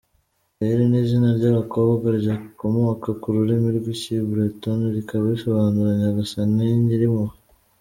Gaelle ni izina ry’abakobwa rikomoka ku rurimi rw’Ikibreton rikaba risobanura “Nyagasani nyirimpuhwe”.